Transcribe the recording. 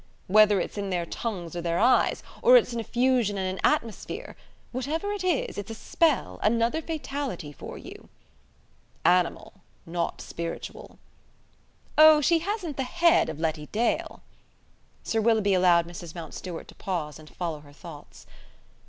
Whether it's in their tongues or their eyes, or it's an effusion and an atmosphere whatever it is, it's a spell, another fatality for you!" "Animal; not spiritual!" "Oh, she hasn't the head of Letty Dale." Sir Willoughby allowed Mrs. Mountstuart to pause and follow her thoughts.